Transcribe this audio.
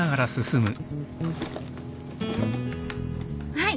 はい。